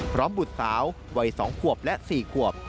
พร้อมบุตรสาววัย๒ควบและ๔ควบ